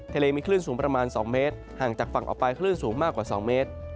ทะเลมีคลื่นสูงประมาณ๒เมตรห่างจากฝั่งออกไปคลื่นสูงมากกว่า๒เมตร